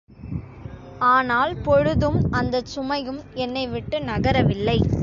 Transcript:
ஆனால் பொழுதும் அந்தச் சுமையும் என்னைவிட்டு நகரவில்லை.